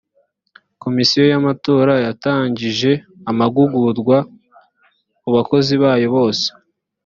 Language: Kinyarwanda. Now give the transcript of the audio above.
komisiyo y’ amatora yatangije amagugurwa kubakozi bayo bose